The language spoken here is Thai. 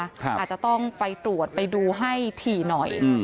อาจจะต้องไปตรวจไปดูให้ถี่หน่อย